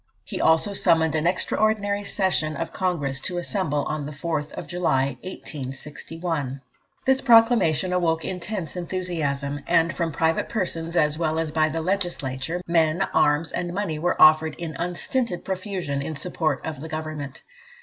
He also summoned an extraordinary session of Congress to assemble on the 4th of July, 1861. This proclamation awoke intense enthusiasm, "and from private persons, as well as by the Legislature, men, arms, and money were offered in unstinted profusion in support of the Government.